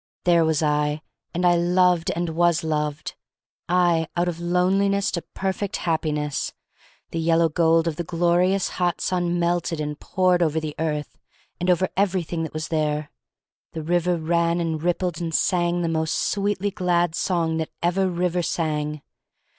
There was I, and I loved and was loved. I — out of loneliness into perfect Happiness! The yellow gold of the glorious hot sun melted and poured over the earth and over everything that was there. The river ran and rippled and sang the most sweetly glad song that ever river sang.